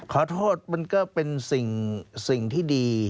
ขอโทษมันก็เป็นสิ่งที่ดี